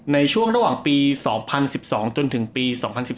ในช่วงระหว่างปี๒๐๑๒จนถึงปี๒๐๑๘